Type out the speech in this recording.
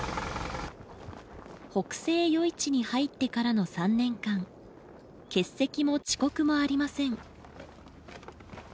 北星余市に入ってからの３年間欠席も遅刻もありません。